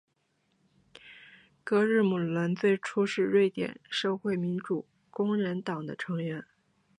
格日姆伦最初是瑞典社会民主工人党的成员。